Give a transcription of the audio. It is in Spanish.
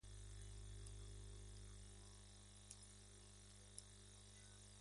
Sin embargo, si aparece un bárbaro, matará al dragón.